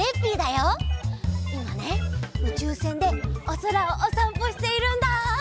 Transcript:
いまねうちゅうせんでおそらをおさんぽしているんだ。